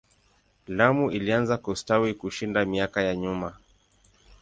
Lamu ilianza kustawi kushinda miaka ya nyuma.